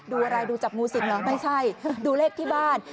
ดูอะไรดูจับงูสิกเหรอไม่ใช่ดูเลขที่บ้าน